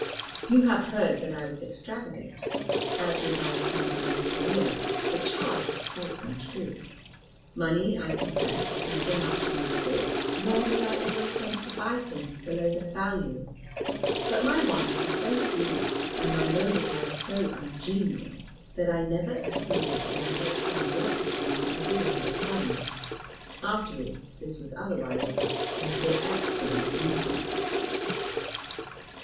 "You have heard that I was extravagant. As regards my early career, the charge is quite untrue. Money, I confess, was never much in my thoughts, nor did I ever attempt to buy things below their value; but my wants were so few, and my mode of life so ungenial, that I never exceeded the moderate sum allotted to me as a younger son. Afterwards this was otherwise, and for excellent reasons.